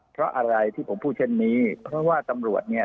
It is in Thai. เพราะอะไรที่ผมพูดเช่นนี้เพราะว่าตำรวจเนี่ย